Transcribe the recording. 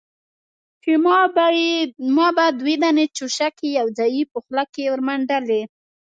چې ما به دوې دانې چوشکې يوځايي په خوله کښې ورمنډلې.